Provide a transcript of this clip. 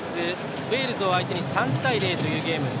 ウェールズを相手に３対０というゲーム。